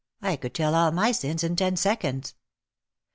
I could tell all my sins in ten seconds."